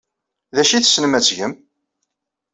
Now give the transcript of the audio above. D acu ay tessnem ad tgem?